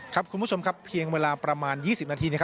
คุณผู้ชมครับเพียงเวลาประมาณ๒๐นาที